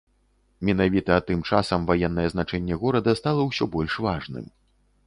Менавіта тым часам ваеннае значэнне горада стала ўсё больш важным.